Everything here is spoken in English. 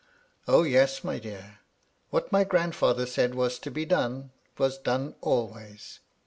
" O yes, my dear. What my grandfather said was to be done, was done always.